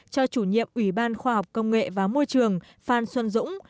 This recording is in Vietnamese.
cho chủ nhiệm ủy ban khoa học công nghệ và môi trường phan xuân dũng